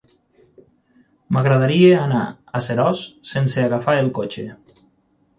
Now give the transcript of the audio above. M'agradaria anar a Seròs sense agafar el cotxe.